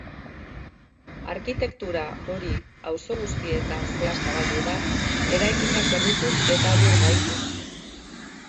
Arkitektura hori auzo guztietan zehar zabaldu da eraikinak berrituz eta birgaituz.